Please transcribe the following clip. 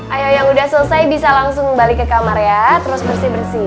ayo yang udah selesai bisa langsung balik ke kamar ya terus bersih bersih